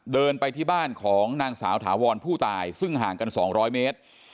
เดินไปที่บ้านของนางสาวถาวรผู้ตายซึ่งห่างกัน๒๐๐เมตร